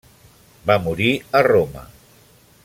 Va morir a Roma.